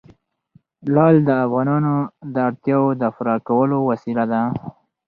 لعل د افغانانو د اړتیاوو د پوره کولو وسیله ده.